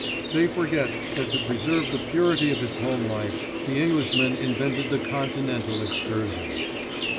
They forget that to preserve the purity of his home life, the Englishman invented the continental excursion."